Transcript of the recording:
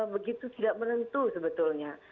begitu tidak menentu sebetulnya